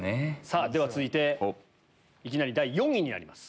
続いていきなり第４位になります。